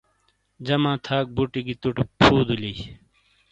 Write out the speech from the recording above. جمع تھاک بُوتی گی تُو ٹے فُو دُلئیی۔